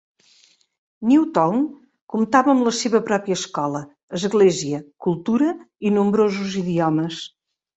New Town comptava amb la seva pròpia escola, església, cultura i nombrosos idiomes.